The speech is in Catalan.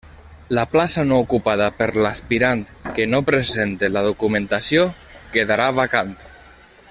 La plaça no ocupada per l'aspirant que no presente la documentació quedarà vacant.